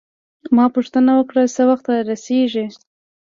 ما پوښتنه وکړه: څه وخت رارسیږي؟